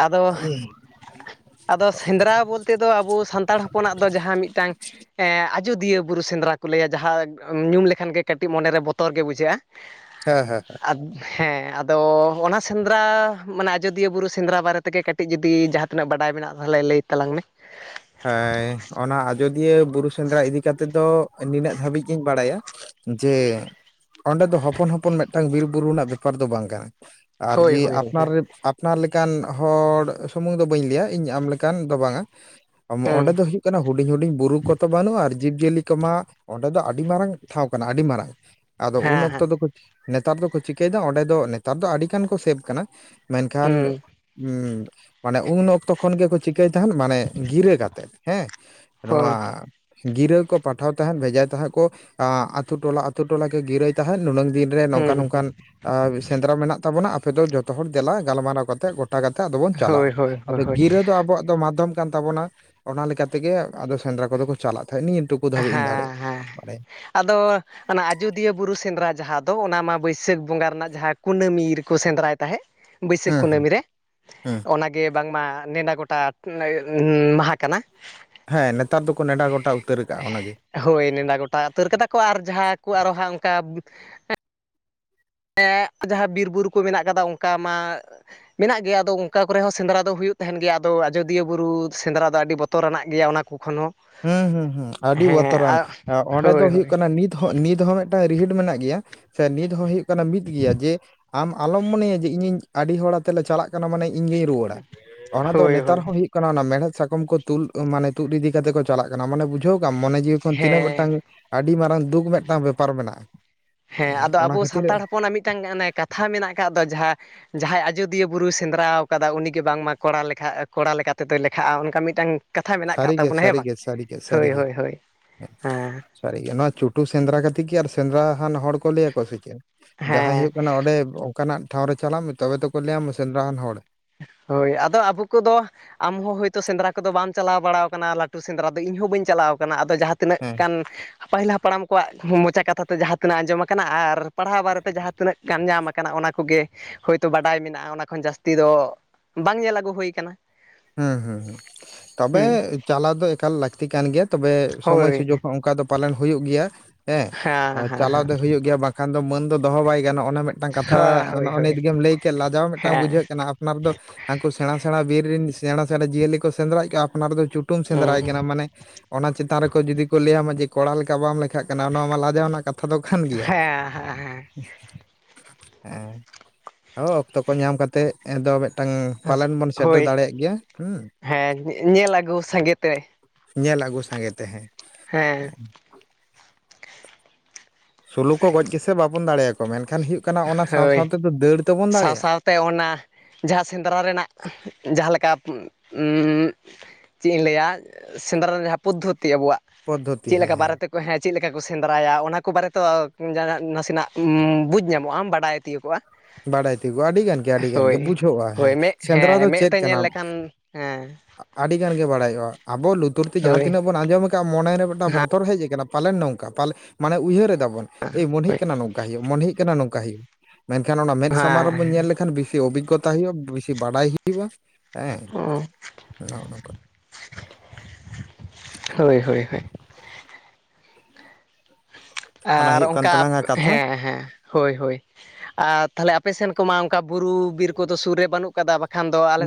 S2: ᱟᱫᱚ ᱟᱫᱚ ᱥᱮᱸᱫᱽᱨᱟ ᱵᱚᱞᱛᱮ ᱫᱚ ᱟᱵᱚ ᱥᱟᱱᱛᱟᱲ ᱦᱚᱯᱚᱱᱟᱜ ᱫᱚ ᱡᱟᱦᱟᱸ ᱢᱤᱫ ᱴᱟᱝ ᱟᱡᱚᱫᱤᱭᱟᱹ ᱵᱩᱨᱩ ᱥᱮᱸᱫᱽᱨᱟ ᱠᱚ ᱞᱟᱹᱭᱟ ᱡᱟᱦᱟᱸ ᱧᱩᱢ ᱞᱮᱠᱷᱟᱱ ᱜᱮ ᱠᱟᱹᱴᱤᱡ ᱢᱚᱱᱮᱨᱮ ᱵᱚᱛᱚᱨ ᱜᱮ ᱵᱩᱡᱷᱟᱹᱜᱼᱟ᱾
S1: ᱦᱮᱸ ᱦᱮᱸ ᱦᱮᱸ
S2: ᱟᱫᱽ ᱦᱮᱸ ᱟᱫᱚ ᱚᱱᱟ ᱥᱮᱸᱫᱽᱨᱟ ᱢᱟᱱᱮ ᱟᱡᱚᱫᱤᱭᱟᱹ ᱵᱩᱨᱩ ᱥᱮᱸᱫᱽᱨᱟ ᱵᱟᱨᱮ ᱛᱮᱜᱮ ᱠᱟᱹᱴᱤᱡ ᱠᱟᱹᱴᱤᱡ ᱡᱩᱫᱤ ᱡᱟᱦᱟᱸ ᱛᱤᱱᱟᱹᱜ ᱵᱟᱰᱟᱭ ᱢᱮᱱᱟᱜᱼᱟ, ᱛᱟᱦᱞᱮ ᱞᱟᱹᱭ ᱛᱟᱞᱟᱝ ᱢᱮ᱾
S1: ᱦᱮᱸ ᱚᱱᱟ ᱟᱡᱳᱫᱤᱭᱟᱹ ᱵᱩᱨᱩ ᱥᱮᱸᱫᱽᱨᱟ ᱤᱫᱤ ᱠᱟᱛᱮᱫ ᱫᱚ ᱱᱤᱱᱟᱹᱜ ᱫᱷᱟᱹᱵᱤᱡ ᱜᱤᱧ ᱵᱟᱲᱟᱭᱟ ᱡᱮ ᱚᱸᱰᱮ ᱫᱚ ᱦᱚᱯᱚᱱ ᱦᱚᱯᱚᱱ ᱢᱤᱫ ᱴᱟᱝ ᱵᱤᱨᱼᱵᱩᱨᱩ ᱨᱮᱱᱟᱜ ᱵᱮᱯᱟᱨ ᱫᱚ ᱵᱟᱝ ᱠᱟᱱᱟ᱾ ᱟᱨ
S2: ᱦᱳᱭ
S1: ᱡᱮ
S2: ᱦᱳᱭ ᱦᱳᱭ
S1: ᱟᱯᱱᱟᱨ
S2: ᱦᱮᱸ
S1: ᱨᱮ ᱟᱯ ᱟᱯᱱᱟᱨ ᱞᱮᱠᱟᱱ ᱦᱚᱲ ᱥᱩᱢᱩᱝ ᱫᱚ ᱵᱟᱹᱧ ᱞᱟᱹᱭᱟ ᱤᱧ ᱟᱢ ᱞᱮᱠᱟᱱ ᱫᱚ ᱵᱟᱝᱟ ᱟ
S2: ᱦᱩᱸ
S1: ᱚᱸᱰᱮ ᱫᱚ ᱦᱩᱭᱩᱜ ᱠᱟᱱᱟ ᱦᱩᱰᱤᱧ ᱦᱩᱰᱤᱧ ᱵᱩᱨᱩ ᱠᱚᱫᱚ ᱵᱟᱹᱱᱩᱜᱼᱟ ᱟᱨ ᱡᱤᱵᱽ ᱡᱤᱭᱟᱹᱞᱤ ᱠᱚᱢᱟ ᱚᱸᱰᱮ ᱫᱚ ᱟᱹᱰᱤ ᱢᱟᱨᱟᱝ ᱴᱷᱟᱶ ᱠᱟᱱᱟ ᱟᱹᱰᱤ ᱢᱟᱨᱟᱝ ᱟᱫᱚ ᱩᱱ
S2: ᱦᱮᱸ
S1: ᱚᱠᱛᱚ
S2: ᱦᱮᱸ
S1: ᱫᱚ ᱱᱮᱛᱟᱨ ᱫᱚᱠᱚ ᱪᱤᱠᱟᱹᱭᱮᱫᱟ ᱚᱸᱰᱮ ᱫᱚ ᱱᱮᱛᱟᱨ ᱫᱚ ᱟᱹᱰᱤᱜᱟᱱ ᱠᱚ ᱥᱮᱵᱽ ᱠᱟᱱᱟ ᱢᱮᱱᱠᱷᱟᱱ
S2: ᱦᱩᱸ
S1: ᱦᱮ ᱢᱟᱱᱮ ᱩᱱ ᱚᱠᱛᱚ ᱠᱷᱚᱱ ᱜᱮᱠᱚ ᱪᱤᱠᱟᱹᱭ ᱛᱟᱦᱮᱱ ᱢᱟᱱᱮ ᱜᱤᱨᱟᱹ ᱠᱟᱛᱮᱫ ᱦᱮᱸ
S2: ᱦᱳᱭ
S1: ᱱᱚᱶᱟ ᱜᱤᱨᱟᱹ ᱠᱚ ᱯᱟᱴᱷᱟᱣ ᱛᱟᱦᱮᱸᱫ ᱵᱷᱮᱡᱟᱭ ᱛᱟᱦᱮᱸᱫ ᱠᱚ ᱟᱺ ᱟᱛᱩ ᱴᱚᱞᱟ ᱟᱛᱩ ᱴᱚᱞᱟ ᱠᱚ ᱜᱤᱨᱟᱹᱭ ᱛᱟᱦᱮᱸᱫ ᱱᱩᱱᱟᱹᱝ ᱫᱤᱱ ᱨᱮ ᱱᱚᱝᱠᱟ
S2: ᱦᱩᱸ
S1: ᱱᱚᱝᱠᱟᱱ ᱥᱮᱸᱫᱽᱨᱟ ᱢᱮᱱᱟᱜ ᱛᱟᱵᱚᱱᱟ ᱟᱯᱮ ᱫᱚ ᱡᱚᱛᱚ ᱦᱚᱲ ᱫᱮᱞᱟ ᱜᱟᱞᱢᱟᱨᱟᱣ ᱠᱟᱛᱮ ᱜᱚᱴ ᱪᱟ ᱠᱟᱛᱮ ᱟᱫᱚ ᱵᱚᱱ
S2: ᱦᱳᱭ
S1: ᱪᱟᱞᱟᱜᱼᱟ
S2: ᱦᱳᱭ ᱦᱳᱭ
S1: ᱟᱫᱚ
S2: ᱦᱳᱭ
S1: ᱜᱤᱨᱟᱹ ᱫᱚ ᱟᱵᱚᱣᱟᱜ ᱫᱚ ᱢᱟᱫᱽᱫᱷᱚᱢ ᱠᱟᱱ ᱛᱟᱵᱚᱱᱟ ᱚᱱᱟ ᱞᱮᱠᱟ ᱛᱮᱜᱮ ᱟᱫᱚ ᱥᱮᱸᱫᱽᱨᱟ ᱠᱚᱫᱚ ᱠᱚ ᱪᱟᱞᱟᱜ ᱛᱟᱦᱮᱸᱜ ᱱᱤᱭᱟᱹᱩ
S2: ᱦᱮᱸ ᱦᱮᱸ ᱟᱫᱚ ᱚᱱᱟ ᱟᱡᱳᱫᱤᱭᱟᱹ ᱵᱩᱨᱩ ᱥᱮᱸᱫᱽᱨᱟ ᱡᱟᱦᱟᱸ ᱫᱚ ᱚᱱᱟ ᱢᱟ ᱵᱟᱹᱭᱥᱟᱹᱠᱷ ᱵᱚᱸᱜᱟ ᱨᱮᱱᱟᱜ ᱡᱟᱦᱟᱸ ᱠᱩᱱᱟᱹᱢᱤ ᱨᱮᱠᱚ ᱥᱮᱸᱫᱽᱨᱟᱭ ᱛᱟᱦᱮᱸᱫ ᱵᱟᱹᱭᱥᱟᱹᱠᱷ
S1: ᱦᱩᱸ ᱦᱩᱸ
S2: ᱠᱩᱱᱟᱹᱢᱤ ᱨᱮ
S1: ᱦᱩᱸ
S2: ᱚᱱᱟᱜ ᱜᱮ ᱵᱟᱝᱢᱟ ᱱᱮᱰᱟ ᱜᱚᱴᱟ [unintelligible] ᱢᱟᱦᱟ ᱠᱟᱱᱟ
S1: ᱦᱮᱸ ᱱᱮᱛᱟᱨ ᱫᱚᱠᱚ ᱱᱮᱰᱟ ᱜᱚᱴᱟ ᱩᱛᱟᱹᱨ ᱟᱠᱟᱜᱼᱟ ᱚᱱᱟᱜᱮ
S2: ᱦᱳᱭ ᱱᱮᱰᱟ ᱜᱚᱴᱟ ᱩᱛᱟᱹᱨ ᱠᱟᱫᱟ ᱠᱚ ᱟᱨ ᱡᱟᱦᱟᱸ ᱠᱚ ᱟᱨᱚ ᱦᱟᱸᱜ ᱚᱱᱠᱟ ᱮᱻ ᱡᱟᱦᱟᱸ ᱵᱤᱨᱵᱩᱨᱩ ᱠᱚ ᱢᱮᱱᱟᱜ ᱠᱟᱫᱟ ᱚᱱᱠᱟ ᱢᱟ ᱢᱮᱱᱟᱜ ᱜᱮᱭᱟ ᱟᱫᱚ ᱚᱱᱠᱟ ᱠᱚᱨᱮ ᱦᱚᱸ ᱥᱮᱸᱫᱽᱨᱟ ᱫᱚ ᱦᱩᱭᱩᱜ ᱛᱟᱦᱮᱸᱱ ᱜᱮᱭᱟ ᱟᱫᱚ ᱟᱡᱚᱫᱤᱭᱟᱹ ᱵᱩᱨᱩ ᱥᱮᱸᱫᱽᱨᱟ ᱫᱚ ᱟᱹᱰᱤ ᱵᱚᱛ ᱛᱚᱨ ᱟᱱᱟᱜ ᱜᱮᱭᱟ ᱚᱱᱟ ᱠᱚ ᱠᱷᱚᱱ ᱦᱚᱸ
S1: ᱦᱩ [unintelligible] ᱟᱹᱰᱤ
S2: ᱦᱮᱸ
S1: ᱵᱚᱛᱚᱨᱟᱱ
S2: ᱟ
S1: ᱚᱸᱰᱮ ᱫᱚ
S2: ᱦᱳᱭ
S1: ᱦᱩᱭᱩᱜ
S2: ᱦᱳᱭ
S1: ᱠᱟᱱᱟ ᱱᱤᱛ ᱱᱤᱛ ᱦᱚᱸ ᱢᱤᱫᱴᱟᱝ ᱨᱤᱦᱤᱴ ᱢᱮᱱᱟᱜ ᱜᱮᱭᱟ, ᱥᱮ ᱱᱤᱛ ᱦᱚᱸ ᱦᱩᱭᱩᱜ ᱠᱟᱱᱟ ᱢᱤᱫ ᱜᱤᱭᱟ ᱡᱮ ᱟᱢ ᱟᱞᱚᱢ ᱢᱚᱱᱮᱭᱟ ᱡᱮ ᱤᱧᱤᱧ ᱟᱹᱰᱤ ᱦᱚᱲ ᱟᱛᱮ ᱞᱮ ᱪᱟᱞᱟᱜ ᱠᱟᱱᱟ ᱢᱟᱱᱮ, ᱤᱧ ᱜᱮᱤᱧ ᱨᱩᱣᱟᱹᱲᱟ ᱚᱱᱟ ᱫᱚ
S2: ᱦᱳᱭ
S1: ᱱᱮᱛᱟᱨ
S2: ᱦᱳᱭ
S1: ᱦᱚᱸ ᱦᱩᱭᱩᱜ ᱠᱟᱱᱟ ᱚᱱᱟ ᱢᱮᱲᱦᱮᱫ ᱥᱟᱠᱟᱢ ᱠᱚ ᱛᱩᱞ ᱢᱟᱱᱮ ᱛᱩᱫ ᱤᱫᱤ ᱠᱟᱛᱮ ᱠᱚ ᱪᱟᱞᱟᱜ ᱠᱟᱱᱟ ᱢᱟᱱᱮ ᱵᱩᱡᱷᱟᱹᱣ ᱠᱟᱜᱢ ᱢᱚᱱᱮ ᱡᱤᱣᱤ ᱠᱷᱚᱱ ᱛᱤᱱᱟᱹᱜ
S2: ᱦᱮᱸ
S1: ᱢᱤᱫᱴᱟᱝ ᱟᱹᱰᱤ ᱢᱟᱨᱟᱝ ᱫᱩᱠ ᱢᱤᱫᱴᱟᱝ ᱵᱮᱯᱟᱨ ᱢᱮᱱᱟᱜᱼᱟ
S2: ᱦᱮᱸ ᱟᱫᱚ
S1: ᱚᱱᱟ
S2: ᱟᱵᱚ
S1: ᱠᱷᱟᱹᱛᱤᱨ
S2: ᱥᱟᱱᱛᱟᱲ ᱦᱚᱯᱚᱱᱟᱜ ᱢᱤᱫᱴᱟᱝ ᱮ ᱠᱟᱛᱷᱟ ᱢᱮᱱᱟᱜ ᱟᱠᱟᱫ ᱫᱚ ᱡᱟᱦᱟᱸ ᱡᱟᱦᱟᱸᱭ ᱟᱡᱚᱫᱤᱭᱟᱹ ᱵᱩᱨᱩᱭ ᱥᱮᱸᱫᱽᱨᱟ ᱠᱟᱫᱟ ᱩᱱᱤᱜᱮ ᱵᱟᱝᱢᱟ ᱠᱚᱲᱟ ᱞᱮᱠᱷᱟ ᱠᱚᱲᱟ ᱞᱮᱠᱟ ᱛᱮᱫᱚᱭ ᱞᱮᱠᱷᱟᱜᱼᱟ ᱚᱱᱠᱟ ᱢᱤᱫᱴᱟᱝ ᱠᱟᱛᱷᱟ ᱢᱮᱱᱟᱜ ᱟᱠᱟᱫ
S1: ᱥᱟᱹᱨᱤᱜᱮ
S2: ᱛᱟᱵᱚᱱᱟ ᱦᱮᱸ ᱵᱟᱝ
S1: ᱥᱟᱹᱨᱤᱜᱮ ᱥᱟᱹᱨᱤᱜᱮ
S2: ᱦᱳᱭ
S1: ᱥᱟᱹᱨᱤᱜᱮ
S2: ᱦᱳᱭ ᱦᱮᱸ᱾
S1: ᱥᱟᱹᱨᱤ ᱜᱮ ᱱᱚᱣᱟ ᱪᱩᱴᱩ ᱥᱮᱸᱫᱽᱨᱟ ᱠᱟᱛᱮ ᱜᱮ ᱟᱨ ᱥᱮᱸᱫᱽᱨᱟ ᱦᱟᱱ ᱦᱚᱲ ᱠᱚ ᱞᱟᱹᱭ ᱟᱠᱚ ᱟ ᱥᱮ ᱪᱮᱫ
S2: ᱦᱮᱸ
S1: ᱡᱟᱦᱟᱸᱭ ᱦᱩᱭᱩᱜ ᱠᱟᱱᱟ ᱚᱸᱰᱮ ᱚᱠᱟᱱᱟᱜ ᱴᱷᱟᱶ ᱨᱮ ᱪᱟᱞᱟᱜ ᱢᱮ ᱛᱚᱵᱮ ᱛᱚᱠᱚ ᱞᱟᱹᱭᱟᱢᱟ ᱥᱮᱸᱫᱽᱨᱟ ᱦᱟᱱ ᱦᱚᱲ
S2: ᱦᱳᱭ ᱟᱫᱚ ᱟᱵᱚ ᱠᱚᱫᱚ ᱟᱢᱦᱚᱸ ᱦᱳᱭᱛᱳ ᱥᱮᱸᱫᱽᱨᱟ ᱠᱚᱫᱚ ᱵᱟᱢ ᱪᱟᱞᱟᱣ ᱵᱟᱲᱟᱣ ᱟᱠᱟᱱᱟ ᱞᱟᱹᱴᱩ ᱥᱮᱸᱫᱽᱨᱟ ᱫᱚ ᱤᱧ ᱦᱚᱸ ᱵᱟᱹᱧ ᱪᱟᱞᱟᱣ ᱠᱟᱱᱟ ᱟᱫᱚ ᱡᱟᱦᱟᱸ ᱛᱤᱱᱟᱹᱜ
S1: ᱦᱮᱸ
S2: ᱜᱟᱱ ᱯᱟᱹᱦᱤᱞ ᱦᱟᱯᱲᱟᱢ ᱠᱚᱣᱟᱜ ᱢᱚᱪᱟ ᱠᱟᱛᱷᱟ ᱛᱮ ᱡᱟᱦᱟᱸ ᱛᱤᱱᱟᱹᱜ ᱟᱸᱡᱚᱢ ᱟᱠᱟᱱᱟ ᱟᱨ ᱯᱟᱲᱦᱟᱣ ᱵᱟᱨᱮᱛᱮ ᱡᱟᱦᱟᱸ ᱛᱤᱱᱟᱹᱜ ᱜᱟᱱ ᱧᱟᱢ ᱟᱠᱟᱱᱟ ᱚᱱᱟ ᱠᱚᱜᱮ ᱦᱳᱭᱛᱳ ᱵᱟᱰᱟᱭ ᱢᱮᱱᱟᱜᱼᱟ ᱚᱱᱟ ᱠᱷᱚᱱ ᱡᱟᱹᱥᱛᱤ ᱫᱚ ᱵᱟᱝ ᱧᱮᱞ ᱟᱹᱜᱩ ᱦᱩᱭ ᱠᱟᱱᱟ᱾
S1: ᱦᱩᱸ ᱦᱩᱸ ᱦᱩᱸ ᱛᱚᱵᱮ
S2: ᱦᱩᱸ
S1: ᱪᱟᱞᱟᱣ ᱫᱚ ᱮᱠᱟᱞ ᱞᱟᱹᱠᱛᱤ ᱠᱟᱱ ᱜᱮᱭᱟ ᱛᱚᱵᱮ ᱥᱚᱢᱚᱭ
S2: ᱦᱳᱭ
S1: ᱥᱩᱡᱳᱜᱽ ᱦᱚᱸ ᱚᱱᱠᱟ ᱫᱚ ᱯᱟᱞᱚᱱ ᱦᱩᱭᱩᱜ ᱜᱮᱭᱟ ᱦᱮᱸ
S2: ᱦᱮᱸ
S1: ᱪᱟᱞᱟᱣ
S2: ᱦᱮᱸ
S1: ᱫᱚ ᱦᱩᱭᱩᱜ ᱜᱮᱭᱟ ᱵᱟᱝ ᱵᱟᱠᱷᱟᱱ ᱫᱚ ᱢᱟᱹᱱ ᱫᱚᱦᱚ ᱵᱟᱭ ᱜᱟᱱᱚᱜᱼᱟ ᱚᱱᱟ ᱢᱤᱫᱴᱟᱝ ᱠᱟᱛᱷᱟ
S2: ᱦᱳᱭ
S1: ᱱᱚᱜᱼᱚᱭ
S2: ᱦᱳᱭ
S1: ᱱᱤᱛ ᱜᱮᱢ ᱞᱟᱹᱭ ᱠᱮᱫ ᱞᱟᱡᱟᱣ ᱢᱤᱫᱴᱟᱝ
S2: ᱦᱮᱸ
S1: ᱵᱩᱡᱷᱟᱹᱜ ᱠᱟᱱᱟ ᱾ ᱟᱯᱱᱟᱨ ᱫᱚ ᱦᱟᱝᱠᱩ ᱥᱮᱬᱟ ᱥᱮᱬᱟ ᱵᱤᱨ ᱨᱮᱱ ᱥᱮᱬᱟ ᱥᱮᱬᱟ ᱡᱤᱭᱟᱹᱞᱤ ᱠᱚ ᱥᱮᱸᱫᱽᱨᱟᱭᱮᱫ ᱠᱚᱣᱟ ᱟᱯᱱᱟᱨ ᱫᱚᱩ ᱴᱩᱢ [unintelligible] ᱥᱮᱸᱫᱽᱨᱟᱭ ᱠᱟᱱᱟ। ᱢᱟᱱᱮ ᱚᱱᱟ ᱪᱮᱛᱟᱱ ᱨᱮᱠᱚ ᱡᱩᱫᱤ ᱠᱚ ᱞᱟᱹᱭᱟᱢᱟ ᱡᱮ, ᱠᱚᱲᱟ ᱞᱮᱠᱟ ᱵᱟᱢ ᱞᱮᱠᱷᱟᱡ ᱼᱼ ᱠᱟᱱᱟ, ᱱᱚᱶᱟ ᱢᱟ ᱞᱟᱡᱟᱣ ᱨᱮᱱᱟᱜ ᱠᱟᱛᱷᱟ ᱫᱚ ᱠᱟᱱ
S2: ᱦᱮᱸ
S1: ᱜᱮᱭᱟ।
S2: ᱦᱮᱸ
S1: ᱦᱮᱸ᱾ ᱚ ᱚᱠᱛᱚ ᱠᱚ ᱧᱟᱢ ᱠᱟᱛᱮᱜ ᱼᱼ ᱟᱫᱚ ᱢᱤᱫ ᱴᱟᱝ,
S2: ᱦᱮᱸ
S1: ᱯᱟᱞᱮᱱ ᱵᱚᱱ ᱥᱮᱴᱮᱨ
S2: ᱦᱳᱭ
S1: ᱫᱟᱲᱮᱭᱟᱜ ᱜᱮᱭᱟ। ᱦᱩᱸ
S2: ᱦᱮᱸ᱾ ᱧᱮᱞ ᱟᱹᱜᱩ ᱥᱟᱸᱜᱮ ᱛᱮ।
S1: ᱧᱮᱞ ᱟᱹᱜᱩ ᱥᱟᱸᱜᱮ ᱛᱮ ᱦᱮᱸ।
S2: ᱦᱮᱸ।
S1: ᱥᱩᱞᱩ ᱠᱚ ᱜᱚᱡ ᱜᱮᱥᱮ ᱵᱟᱵᱚᱱ ᱫᱟᱲᱮᱭᱟᱠᱚᱣᱟ᱾ ᱢᱮᱱᱠᱷᱟᱱ, ᱦᱩᱭᱩᱜ ᱠᱟᱱᱟ ᱚᱱᱟ ᱥᱟᱶ ᱥᱟᱶᱛᱮ ᱫᱚ ᱫᱟᱹᱲ ᱛᱮᱵᱚᱱ ᱫᱟᱲᱮᱭᱟᱜᱼᱟ।
S2: ᱛᱮ ᱚᱱᱟ ᱡᱟᱦᱟᱸ ᱥᱮᱸᱫᱽᱨᱟ ᱨᱮᱱᱟᱜ, ᱡᱟᱦᱟᱸᱞᱮᱠᱟ ᱢᱩᱸᱻ ᱹᱹ ᱹ ᱪᱮᱫ ᱤᱧ ᱞᱟᱹᱭᱟ? ᱥᱮᱸᱫᱽᱨᱟ ᱡᱟᱦᱟᱸ ᱯᱚᱫᱽᱫᱷᱚᱛᱤ ᱟᱵᱚᱣᱟᱜ,
S1: ᱯᱚᱫᱽᱫᱷᱚᱛᱤ
S2: ᱪᱮᱫ
S1: ᱦᱮᱸ
S2: ᱞᱮᱠᱟ ᱵᱟᱨᱮᱛᱮ ᱼᱼ ᱦᱮᱸ, ᱪᱮᱫ ᱞᱮᱠᱟ ᱠᱚ ᱥᱮᱸᱫᱽᱨᱟᱭᱟ? ᱚᱱᱟ ᱠᱚ ᱵᱟᱨᱮ ᱛᱚ, ᱱᱟᱥᱮᱱᱟᱜ ᱵᱩᱡᱽ ᱧᱟᱢ ᱼᱼ ᱢᱚᱜ ᱟᱢ ᱵᱟᱰᱟᱭ ᱛᱤᱭᱩᱜᱚᱜᱼᱟ।
S1: ᱵᱟᱲᱟᱭ ᱛᱤᱭᱩᱜᱚᱜᱼᱟ, ᱟᱹᱰᱤᱜᱟᱱ ᱜᱮ ᱟᱹᱰᱤᱜᱟᱱ ᱜᱮ ᱵᱩᱡᱷᱟᱹᱜᱼᱟ
S2: ᱦᱳᱭ
S1: ᱦᱮᱸ।
S2: ᱢᱮᱫ
S1: ᱥᱮᱸᱫᱽᱨᱟ ᱫᱚ
S2: ᱦᱮᱸ ᱢᱮᱫ
S1: ᱪᱮᱫ
S2: ᱛᱮ
S1: ᱠᱟᱱᱟ?
S2: ᱧᱮᱞ ᱞᱮᱠᱷᱟᱱ ᱦᱮᱸ
S1: ᱟᱹᱰᱤ ᱜᱟᱱ ᱜᱮ ᱵᱟᱲᱟᱭᱚᱜᱼᱟ। ᱟᱵᱚ ᱞᱩᱛᱩᱨ ᱛᱮ ᱡᱟᱦᱟᱸ
S2: ᱦᱳᱭ
S1: ᱛᱤᱱᱟᱹᱜ ᱵᱚᱱ ᱟᱸᱡᱚᱢ ᱼᱼ ᱠᱟᱜᱼᱟ᱾ ᱢᱚᱱᱮᱨᱮ ᱢᱤᱫᱴᱟᱝ ᱵᱚᱛᱚᱨ ᱦᱮᱡ ᱟᱠᱟᱱᱟ, ᱯᱟᱞᱮᱱ ᱱᱚᱝᱠᱟ? ᱯᱟᱞᱮᱱ ᱢᱟᱱᱮ ᱩᱭᱦᱟᱹᱨ ᱮᱫᱟ ᱼ ᱚᱱ ᱮᱹᱭ ᱢᱚᱱᱦᱮᱹᱜ
S2: ᱦᱳᱭ
S1: ᱠᱟᱱᱟ ᱱᱚᱝᱠᱟ ᱦᱳᱭᱳᱜ ᱢᱚᱱᱦᱮᱹᱜ ᱠᱟᱱᱟ ᱱᱚᱝᱠᱟ ᱦᱳᱭᱳᱜ ᱾ ᱮᱱᱠᱷᱟᱱ ᱚᱱᱟ ᱢᱮᱫ ᱥᱟᱢᱟᱝ ᱨᱮᱵᱚᱱ
S2: ᱦᱮᱸ
S1: ᱧᱮᱞ ᱞᱮᱠᱷᱟᱱ, ᱵᱮᱥᱤ ᱚᱵᱷᱤᱜᱽᱚᱛᱟ ᱦᱩᱭᱩᱜᱼᱟ, ᱵᱮᱥᱤ ᱵᱟᱰᱟᱭ ᱦᱩᱭᱩᱜᱼᱟ। ᱮᱸᱜ ᱱᱚᱜᱼᱚ ᱱᱚᱝᱠᱟ ᱾
S2: ᱦᱳᱭ ᱦᱳᱭ ᱦᱳᱭ।
S1: ᱚᱱᱟ
S2: ᱟᱨ
S1: ᱦᱩᱭᱩᱜ ᱠᱟᱱ
S2: ᱚᱱᱠᱟ ᱟᱯᱷ,
S1: ᱛᱟᱞᱟᱝᱟ ᱠᱟᱛᱷᱟ
S2: ᱦᱮᱸ- ᱦᱮᱸ, ᱦᱳᱭ ᱦᱳᱭ ᱾ ᱟᱨ ᱛᱟᱞᱦᱮ ᱟᱯᱮ ᱥᱮᱱ ᱠᱚᱢᱟ, ᱚᱱᱠᱟ ᱵᱩᱨᱩ ᱵᱤᱨ ᱠᱚᱫᱚ ᱥᱩᱨ ᱨᱮ ᱵᱟᱹᱱᱩᱜ ᱠᱟᱫᱟ? ᱵᱟᱠᱷᱟᱱ ᱫᱚ ᱟᱞᱮ ᱼᱼ